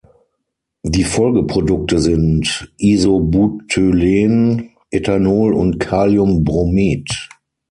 Die Folgeprodukte sind Isobutylen, Ethanol und Kaliumbromid.